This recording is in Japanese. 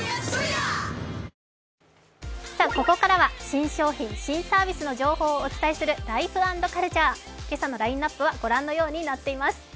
ここからは新商品・新サービスの情報をお伝えする「ライフ＆カルチャー」、今朝のラインナップはこのようになっています。